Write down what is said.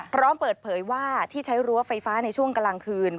พร้อมเปิดเผยว่าที่ใช้รั้วไฟฟ้าในช่วงกลางคืน